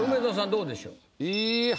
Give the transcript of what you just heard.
どうでしょう？